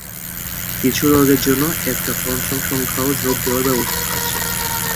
কিছু রোগের জন্য একটা পঞ্চম সংখ্যাও যোগ দেওয়ার ব্যবস্থা আছে।